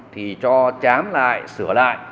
thì cho chám lại sửa lại